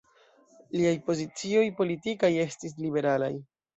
Liaj pozicioj politikaj estis liberalaj.